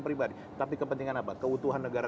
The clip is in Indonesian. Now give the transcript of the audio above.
pribadi tapi kepentingan apa keutuhan negara